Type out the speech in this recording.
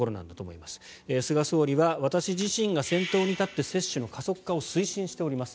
菅総理は私自身が先頭に立って接種の加速化を推進しております。